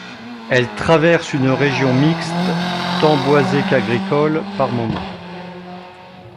Elle traverse une région mixte, tant boisée qu'agricole par moments.